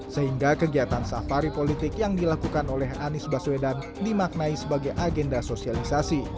sehingga kegiatan safari politik yang dilakukan oleh anies baswedan dimaknai sebagai agenda sosialisasi